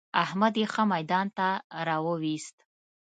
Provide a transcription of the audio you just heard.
احمد يې ښه ميدان ته را ويوست.